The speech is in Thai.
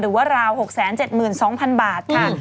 หรือว่าราว๖๗๒๐๐๐บาทค่ะ